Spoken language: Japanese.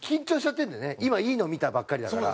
今いいの見たばっかりだから。